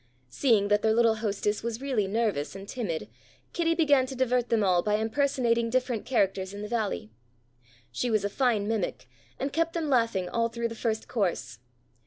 Seeing that their little hostess was really nervous and timid, Kitty began to divert them all by impersonating different characters in the Valley. She was a fine mimic, and kept them laughing all through the first course.